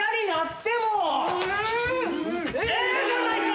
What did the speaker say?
ええじゃないか！